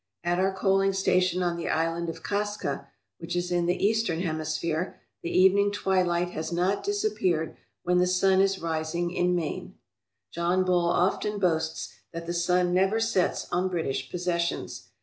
At our coaling station on the Island of Kaska, which is in the eastern hemisphere, the evening twilight has not disappeared when the sun is rising in Maine. John Bull often boasts that the sun never sets on British possessions.